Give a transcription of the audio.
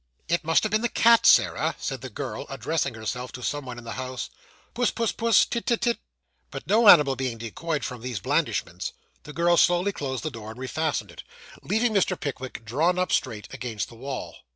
'It must have been the cat, Sarah,' said the girl, addressing herself to some one in the house. 'Puss, puss, puss, tit, tit, tit.' But no animal being decoyed by these blandishments, the girl slowly closed the door, and re fastened it; leaving Mr. Pickwick drawn up straight against the wall.